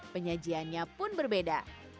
penyajiannya pun berbeda